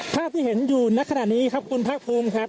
ภาพที่เห็นอยู่ในขณะนี้ครับคุณภาคภูมิครับ